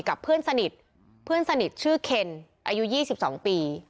กับเพื่อนสนิทเพื่อนสนิทชื่อเคนอายุ๒๒ปี